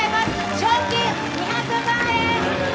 賞金２００万円。